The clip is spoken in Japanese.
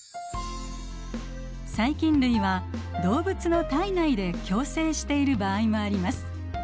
細菌類は動物の体内で共生している場合もあります。